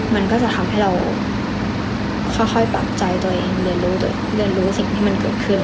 มันก็จะทำให้เราค่อยปรับใจตัวเองเรียนรู้สิ่งที่มันเกิดขึ้น